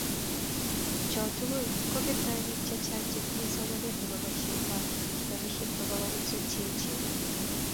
choo tugul kogertoi biik chechang chetinye somanet nebo boishetab nobishet kobaa komoswek cheechen